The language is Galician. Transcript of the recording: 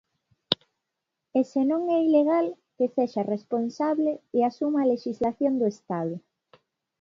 E se non é ilegal, que sexa responsable e asuma a lexislación do Estado.